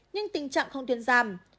nhưng tình trạng không tuyên giảm